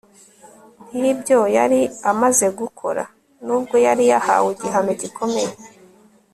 nk'ibyo yari amaze gukora, n'ubwo yari yahawe igihano gikomeye